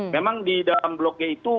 memang di dalam blok g itu